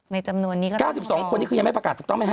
ในจำนวนนี้ก็ต้องพบอีก๙๒คนนี้คือยังไม่ประกาศถูกต้องไหมฮะ